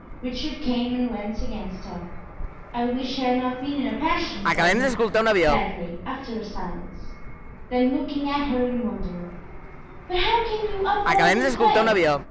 Richard came and leant against her. "I wish I had not been in a passion!" said he, sadly, after a silence; then looking at her in wonder "But how came you up all this way?"